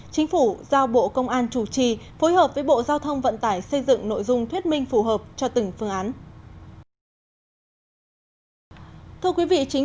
chính phủ giao bộ công an chủ trì phối hợp với bộ giao thông vận tải xây dựng nội dung thuyết minh phù hợp cho từng phương án